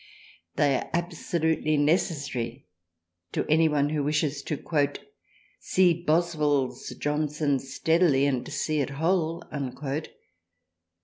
They are absolutely necessary to anyone who wishes to " see Boswell's Johnson steadily and see it whole."